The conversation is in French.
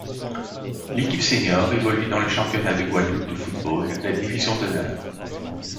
L'équipe sénior évolue dans le Championnat de Guadeloupe de football, la Division d'Honneur.